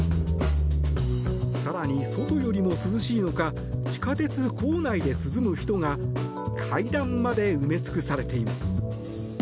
更に、外よりも涼しいのか地下鉄構内で涼む人が階段まで埋め尽くされています。